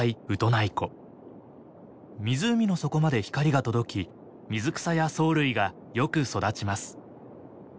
湖の底まで光が届き水草や藻類がよく育ちます。